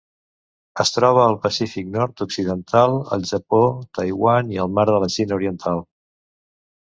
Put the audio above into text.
Es troba al Pacífic nord-occidental: el Japó, Taiwan i el mar de la Xina Oriental.